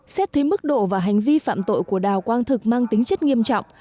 xét thí mức độ và hành vi phạm tội của đào quang thực mang tính chất nghiệp